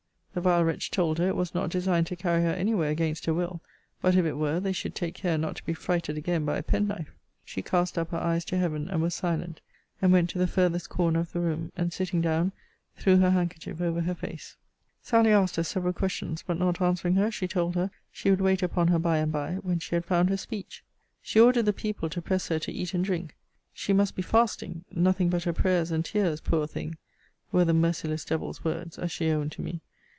The vile wretch told her, it was not designed to carry her any where against her will: but, if it were, they should take care not to be frighted again by a penknife. She cast up her eyes to Heaven, and was silent and went to the farthest corner of the room, and, sitting down, threw her handkerchief over her face. Sally asked her several questions; but not answering her, she told her, she would wait upon her by and by, when she had found her speech. She ordered the people to press her to eat and drink. She must be fasting nothing but her prayers and tears, poor thing! were the merciless devil's words, as she owned to me.